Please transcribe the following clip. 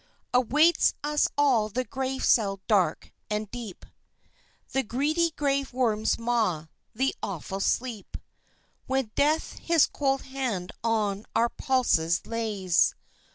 Awaits us all the grave cell dark and deep, The greedy grave worm's maw, the awful sleep When Death his cold hand on our pulses lays.